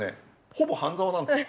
ほぼ「半沢」なんですか？